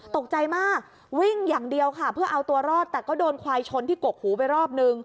ตกใจมากวิ่งอย่างเดียวค่ะเพื่อเอาตัวรอดแต่ก็โดนควายชนที่กกหูไปรอบนึง